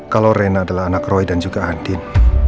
kalau rena adalah anak roy dan juga adit